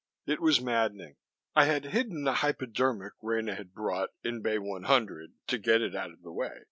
It was maddening. I had hidden the hypodermic Rena had brought in Bay 100 to get it out of the way.